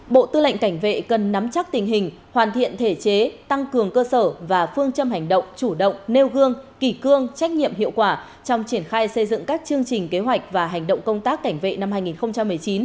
bộ tư lệnh cảnh vệ cần nắm chắc tình hình hoàn thiện thể chế tăng cường cơ sở và phương châm hành động chủ động nêu gương kỳ cương trách nhiệm hiệu quả trong triển khai xây dựng các chương trình kế hoạch và hành động công tác cảnh vệ năm hai nghìn một mươi chín